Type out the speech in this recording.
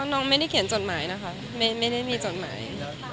น้องไม่ได้เขียนจดหมายนะคะไม่ได้มีจดหมาย